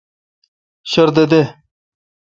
شردہ دے۔